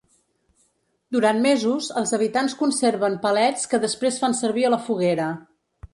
Durant mesos, els habitants conserven palets que després fan servir a la foguera.